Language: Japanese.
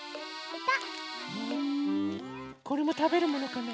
これもたべるものかな？